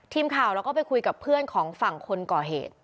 ทีมข่าวเราก็ไปคุยกับเพื่อนของฝั่งคนก่อเหตุ